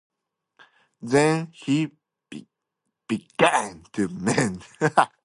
Then he began to mend.